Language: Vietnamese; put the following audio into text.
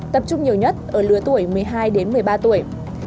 tập trung nhiều nhất ở lứa tuổi một mươi hai đến một mươi ba tuổi